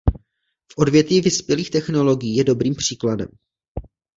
Odvětví vyspělých technologií je dobrým příkladem.